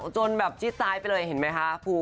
จนแบบจี๊ดตายไปเลยเห็นมั้ยคะ